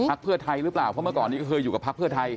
เพื่อไทยหรือเปล่าเพราะเมื่อก่อนนี้ก็เคยอยู่กับพักเพื่อไทย